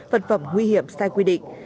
phật phẩm nguy hiểm sai quy định